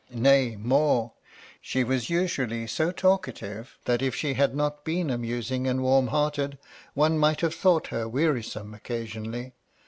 Nay more ; she was usually so talkative, that if she MY LADY LUDLOW. 273 had not been amusing and warm hearted, one might have thought her wearisome occasionally.